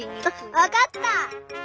わかった！